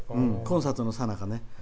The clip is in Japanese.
コンサートのさなかね。